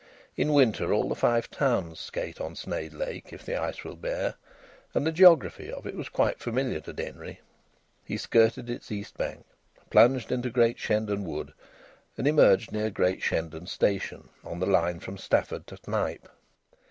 In winter all the Five Towns skate on Sneyd Lake if the ice will bear, and the geography of it was quite familiar to Denry. He skirted its east bank, plunged into Great Shendon Wood, and emerged near Great Shendon Station, on the line from Stafford to Knype.